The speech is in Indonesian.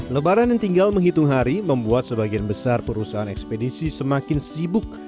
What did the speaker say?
lebaran yang tinggal menghitung hari membuat sebagian besar perusahaan ekspedisi semakin sibuk